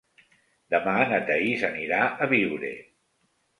Demà na Thaís anirà a Biure.